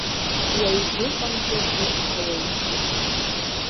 Уаҩ дыҟамзаргьы ауеит.